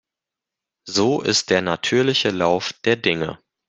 So ist der natürliche Lauf der Dinge.